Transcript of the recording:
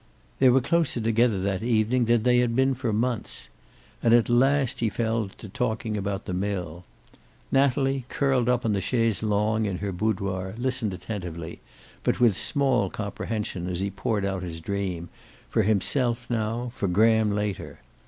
They were closer together that evening than they had been for months. And at last he fell to talking about the mill. Natalie, curled up on the chaise longue in her boudoir, listened attentively, but with small comprehension as he poured out his dream, for himself now, for Graham later.